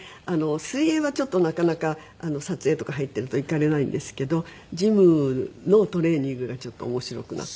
水泳はちょっとなかなか撮影とか入ってると行かれないんですけどジムのトレーニングがちょっと面白くなってきて。